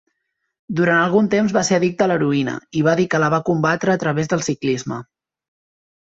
Durant algun temps va ser addicte a l'heroïna, i va dir que la va combatre a través del ciclisme.